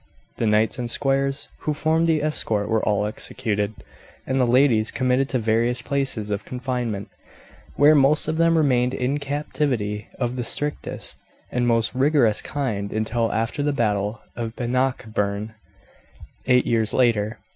The knights and squires who formed the escort were all executed, and the ladies committed to various places of confinement, where most of them remained in captivity of the strictest and most rigorous kind until after the battle of Bannockburn, eight years later.